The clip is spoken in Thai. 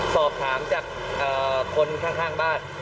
สอบถามจากคนข้างบ้าน